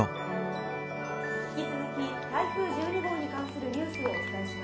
引き続き台風１２号に関するニュースをお伝えします。